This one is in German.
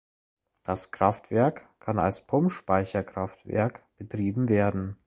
Das Kraftwerk kann als Pumpspeicherkraftwerk betrieben werden.